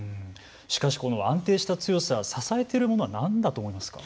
しかし、この安定した強さを支えているものは何だと思いますか。